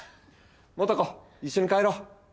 素子一緒に帰ろう。